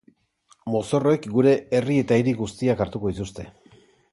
Mozorroek gure herri eta hiri guztiak hartuko dituzte.